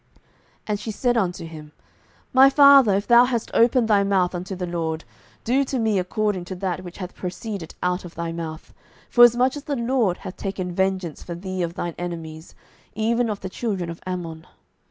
07:011:036 And she said unto him, My father, if thou hast opened thy mouth unto the LORD, do to me according to that which hath proceeded out of thy mouth; forasmuch as the LORD hath taken vengeance for thee of thine enemies, even of the children of Ammon.